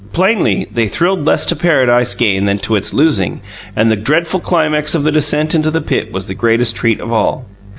Plainly, they thrilled less to Paradise gained than to its losing, and the dreadful climax of the descent into the Pit was the greatest treat of all.